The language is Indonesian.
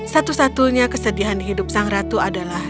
satu satunya kesedihan di hidup sang ratu adalah